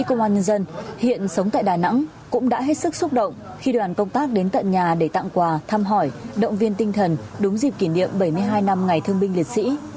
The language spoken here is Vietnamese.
công an nhân dân hiện sống tại đà nẵng cũng đã hết sức xúc động khi đoàn công tác đến tận nhà để tặng quà thăm hỏi động viên tinh thần đúng dịp kỷ niệm bảy mươi hai năm ngày thương binh liệt sĩ